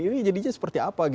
ini jadinya seperti apa